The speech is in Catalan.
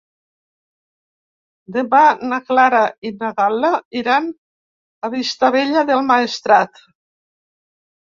Demà na Clara i na Gal·la iran a Vistabella del Maestrat.